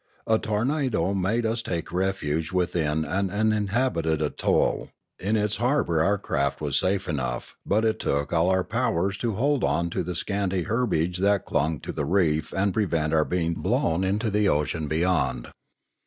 A tornado made us take refuge within an uninhabited atoll; in its 707 708 Limanora harbour our craft was safe enough, but it took all our powers to hold on to the scanty herbage that clung to the reef and prevent our being blown into the ocean beyond.